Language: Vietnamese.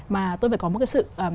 mà tôi phải có một cái sự